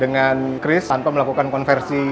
dengan chris tanpa melakukan konversi